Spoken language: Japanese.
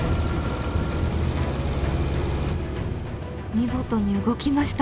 見事に動きました。